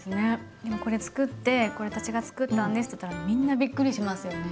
これつくってこれ私がつくったんですって言ったらみんなびっくりしますよね。